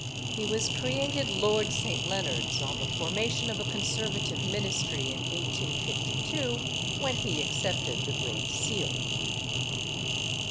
He was created Lord St. Leonards on the formation of a Conservative ministry in 1852, when he accepted the Great Seal.